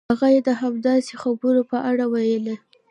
هغه یې د همداسې خبرو په اړه ویلي.